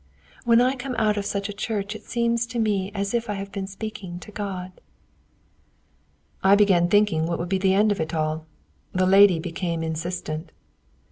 When I come out of such a church it seems to me as if I have been speaking to God." I began thinking what would be the end of it all. The lady became insistent.